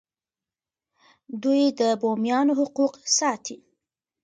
دوی د بومیانو حقوق ساتي.